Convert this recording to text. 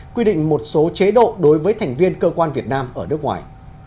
quy định một số chế độ đối với thành viên cơ quan việt nam ở nước ngoài